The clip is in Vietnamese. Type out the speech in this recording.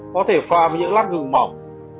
có thể pha với những lát dùng mỏng